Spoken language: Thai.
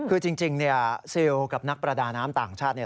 คือจริงซิลกับนักประดาน้ำต่างชาติ